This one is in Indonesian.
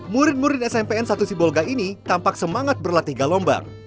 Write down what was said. murid murid smpn satu sibolga ini tampak semangat berlatih galombang